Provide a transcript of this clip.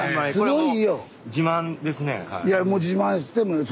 はい。